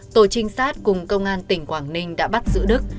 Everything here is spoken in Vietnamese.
tổ trinh sát cùng công an tỉnh quảng ninh đã bắt giữ đức